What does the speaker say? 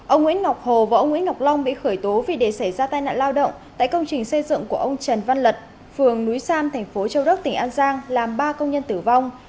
ông nguyễn ngọc hồ và ông nguyễn ngọc long bị khởi tố vì để xảy ra tai nạn lao động tại công trình xây dựng của ông trần văn lật phường núi sam thành phố châu đốc tỉnh an giang làm ba công nhân tử vong